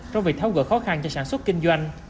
trong việc tháo gỡ khó khăn cho sản xuất kinh doanh